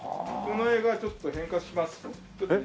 この絵がちょっと変化しますと。